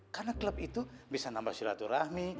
karena klub itu bisa nambah surat rahmi